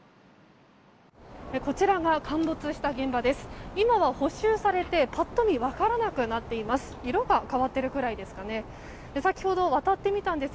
こちらが陥没した現場です。